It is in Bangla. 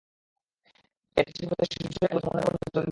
এতে দেশে প্রচলিত শিশু বিষয়ক আইনগুলো সমন্বয়ের ওপর জোর দেন বক্তারা।